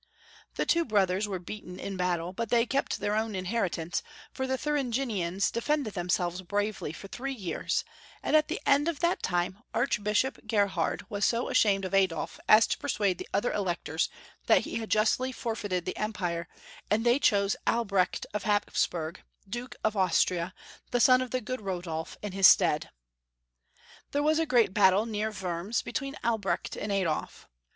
The two brothers were beaten in battle, but they kept their own inheritance, for the Thuringians de fended themselves bravely for three years, and at the end of that time, Archbishop Gerhard was so ashamed of Adolf as to persuade the other electors that he had justly forfeited the Empire, and they chose Albrecht of Hapsburg, Duke of Austria, the son of the good Rodolf, in his stead. There was a great battle near Wurms between Albrecht and Adolf.